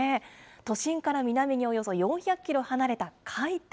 都心から南におよそ４００キロ離れた海底。